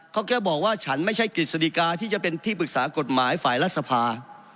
เขาแค่บอกว่าฉันไม่ใช่กฤษฎิกาที่จะเป็นที่ปรึกษากฎหมายฝ่ายรัฐสภา